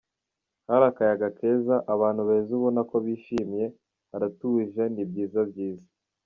Hari akayaga keza, abantu beza ubona ko bishimye, haratuje, ni byiza byiza.